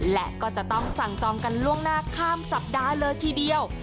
และก็จะต้องสั่งจองกันล่วงหน้าข้ามสัปดาห์เลยทีเดียว